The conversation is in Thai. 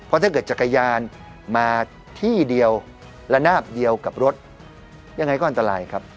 เพราะถ้าเกิดจักรยานมาที่เดียวระนาบเดียวกับรถยังไงก็อันตรายครับ